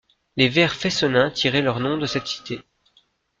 Les vers Fescennins tiraient leur nom de cette cité.